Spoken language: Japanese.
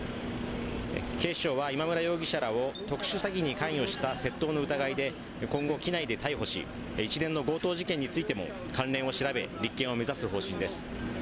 警視庁は今村容疑者らを特殊詐欺に関与した窃盗の疑いで今後機内で逮捕し一連の強盗事件についても関連を調べ、立件を目指す方針です。